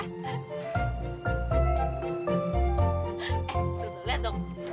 eh tuh liat dong